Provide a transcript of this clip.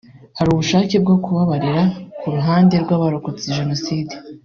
hari ubushake bwo kubabarira ku ruhande rw’abarokotse Jenoside